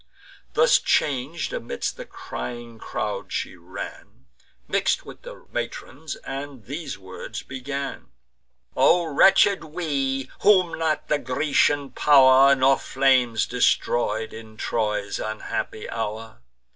Thus chang'd, amidst the crying crowd she ran, Mix'd with the matrons, and these words began: "O wretched we, whom not the Grecian pow'r, Nor flames, destroy'd, in Troy's unhappy hour!